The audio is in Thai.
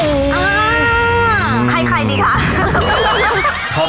ให้ใครดีข้าง